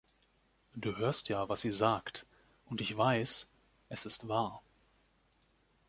Du hörst ja, was sie sagt, und ich weiß, es ist wahr.